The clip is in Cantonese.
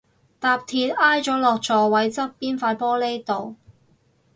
搭鐵挨咗落座位側邊塊玻璃度